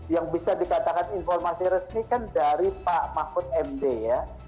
yang bisa dikatakan informasi resmi kan dari pak mahfud md ya